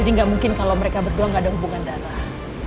jadi gak mungkin kalau mereka berdua gak ada hubungan darah